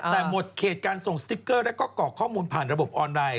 แต่หมดเขตการส่งสติ๊กเกอร์แล้วก็กรอกข้อมูลผ่านระบบออนไลน